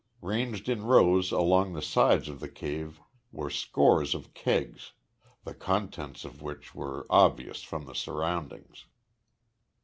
Ranged in rows along the sides of the cave were scores of kegs, the contents of which were obvious from the surroundings.